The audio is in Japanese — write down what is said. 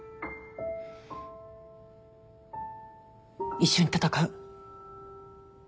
一緒に闘う。